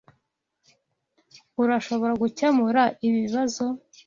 Urashobora gukemura ibi bibazo?